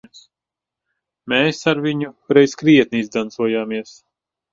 Mēs ar viņu reiz krietni izdancojāmies.